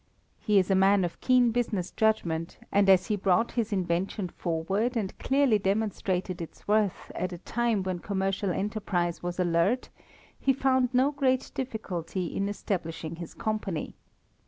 He is a man of keen business judgment, and as he brought his invention forward and clearly demonstrated its worth at a time when commercial enterprise was alert he found no great difficulty in establishing his company.